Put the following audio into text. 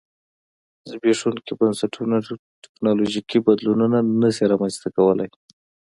زبېښونکي بنسټونه ټکنالوژیکي بدلونونه نه شي رامنځته کولای.